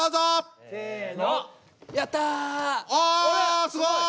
あすごい！